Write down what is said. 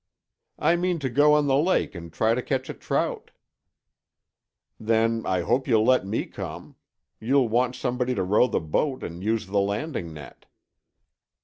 "I mean to go on the lake and try to catch a trout." "Then, I hope you'll let me come. You'll want somebody to row the boat and use the landing net."